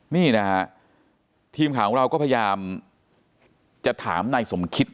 นี่นะฮะทีมข่าวของเราก็พยายามจะถามนายสมคิต